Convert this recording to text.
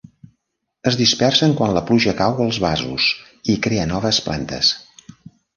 Es dispersen quan la pluja cau als vasos i crea noves plantes.